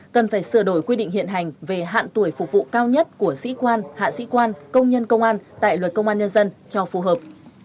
cần phải sửa đổi quy định hiện hành về hạn tuổi phục vụ cao nhất của sĩ quan hạ sĩ quan công nhân công an tại luật công an nhân dân cho phù hợp